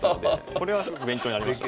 これはすごく勉強になりました。